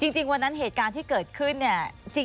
จริงวันนั้นเหตุการณ์ที่เกิดขึ้นเนี่ย